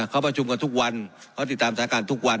เขาประชุมกันทุกวันเขาติดตามสถานการณ์ทุกวัน